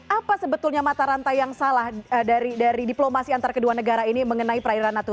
apa sebetulnya mata rantai yang salah dari diplomasi antara kedua negara ini mengenai perairan natuna